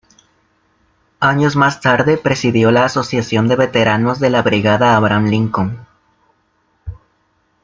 Años más tarde presidió la asociación de veteranos de la brigada Abraham Lincoln.